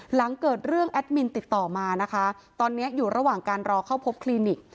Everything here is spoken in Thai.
หลังเกิดเรื่องแอดมินติดต่อมานะคะตอนนี้อยู่ระหว่างการรอเข้าพบคลินิก